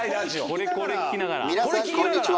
これ聴きながら？